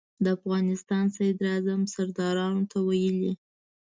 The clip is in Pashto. د افغانستان صدراعظم سردارانو ته ویلي.